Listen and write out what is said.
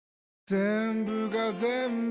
ぜんぶがぜんぶ